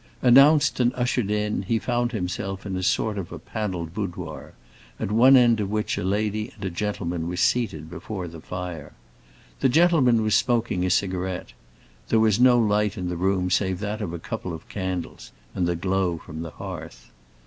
Announced and ushered in, he found himself in a sort of paneled boudoir, at one end of which a lady and gentleman were seated before the fire. The gentleman was smoking a cigarette; there was no light in the room save that of a couple of candles and the glow from the hearth.